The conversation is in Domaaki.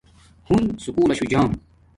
ھون سکُول لشو جام